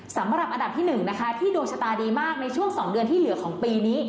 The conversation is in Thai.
สำหรับอันดับที่๑นะคะที่ดวงชะตาดีมากในช่วง๒เดือนที่เหลือของปีนี้